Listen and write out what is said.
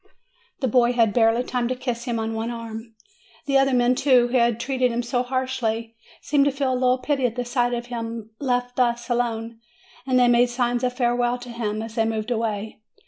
The boy had barely time to kiss him on one arm. The other men, too, who had treated him so harshly, seemed to feel a little pity at the sight of him left thus alone, and they made signs of farewell to him as they moved away.